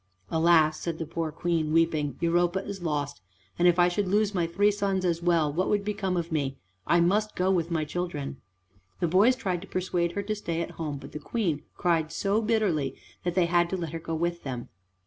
"Alas!" said the poor Queen, weeping, "Europa is lost, and if I should lose my three sons as well, what would become of me? I must go with my children." The boys tried to persuade her to stay at home, but the Queen cried so bitterly that they had to let her go with them.